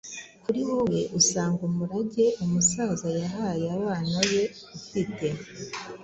Kuri wowe usanga umurage umusaza yahaye abana be ufite